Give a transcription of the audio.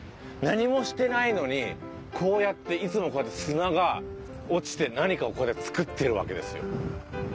何もしてないのにこうやっていつもこうやって砂が落ちて何かをここで作ってるわけですよ。